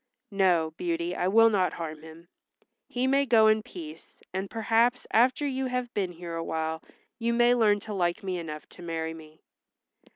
"No, Beauty, I will not harm him. He may go in peace, and perhaps after you have been here awhile you may learn to like me enough to marry me."